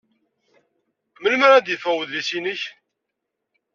Melmi ara d-yeffeɣ wedlis-nnek?